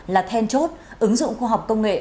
là then chốt ứng dụng khoa học công nghệ